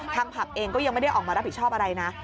ผับเองก็ยังไม่ได้ออกมารับผิดชอบอะไรนะ